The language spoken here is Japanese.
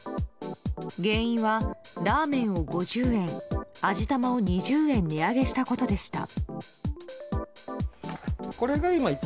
原因はラーメンを５０円味玉を２０円値上げしたことでした。